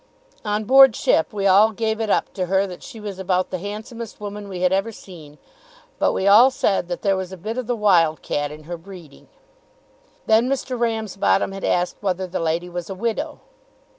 "On board ship we all gave it up to her that she was about the handsomest woman we had ever seen, but we all said that there was a bit of the wild cat in her breeding." Then Mr. Ramsbottom had asked whether the lady was a widow.